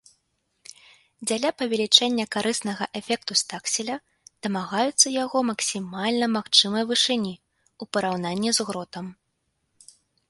Дзеля павелічэння карыснага эфекту стакселя дамагаюцца яго максімальна магчымай вышыні, у параўнанні з гротам.